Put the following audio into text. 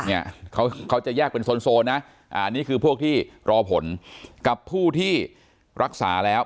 เนี่ยเขาเขาจะแยกเป็นโซนนะอันนี้คือพวกที่รอผลกับผู้ที่รักษาแล้ว